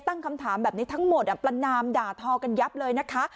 ตั้งคำถามแบบนี้ทั้งหมดประนามด่าทอกันยับเลยนะคะ